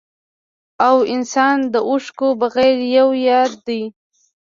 او انسان د اوښکو بغير يو ياد دی